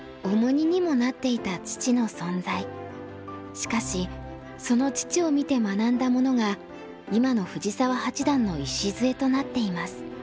しかしその父を見て学んだものが今の藤澤八段の礎となっています。